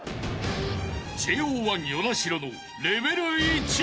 ［ＪＯ１與那城のレベル１］